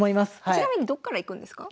ちなみにどっから行くんですか？